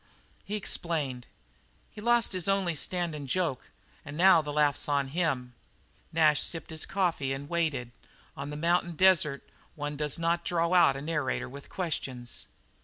He explained: "He's lost his only standin' joke, and now the laugh's on pa!" Nash sipped his coffee and waited. On the mountain desert one does not draw out a narrator with questions.